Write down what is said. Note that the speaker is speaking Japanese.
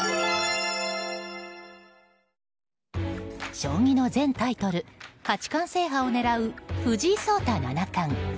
将棋の全タイトル八冠制覇を狙う藤井聡太七冠。